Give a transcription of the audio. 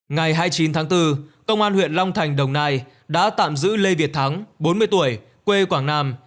ngày hai mươi chín tháng bốn công an huyện long thành đồng nai đã tạm giữ lê việt thắng bốn mươi tuổi quê quảng nam